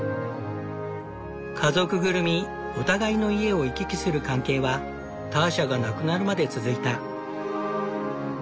家族ぐるみお互いの家を行き来する関係はターシャが亡くなるまで続いた。